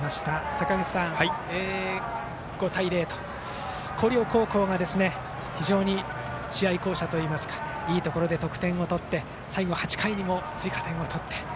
坂口さん、５対０と広陵高校が非常に試合巧者といいますかいいところで得点を取って最後、８回にも追加点を取って。